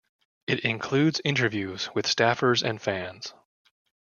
It includes interviews with staffers and fans.